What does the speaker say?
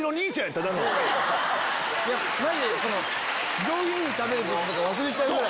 マジで上品に食べることとか忘れちゃうぐらい。